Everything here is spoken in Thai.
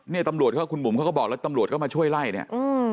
เนี่ยตำรวจเขาคุณบุ๋มเขาก็บอกแล้วตำรวจก็มาช่วยไล่เนี่ยอืม